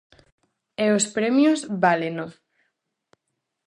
E os premios váleno.